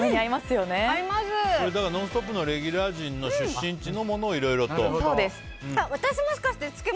「ノンストップ！」のレギュラー陣の出身地のものを私、もしかして漬物？